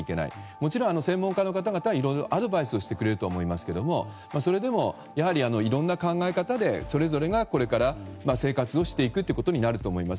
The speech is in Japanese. もちろん、専門家の方々はいろいろアドバイスをしてくれるとは思いますけれどもそれでもやはりいろんな考え方でそれぞれがこれから、生活をしていくことになると思います。